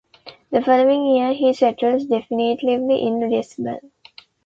The following year he settles definitively in Lisbon.